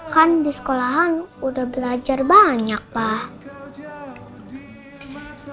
kan di sekolahan udah belajar banyak pak